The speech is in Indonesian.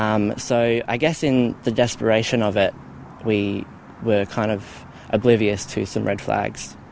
jadi saya rasa dalam kesabaran kita berhubungan dengan beberapa panggilan merah